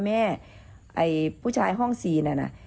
แม่ผู้ชายห้อง๔เนี่ยนะ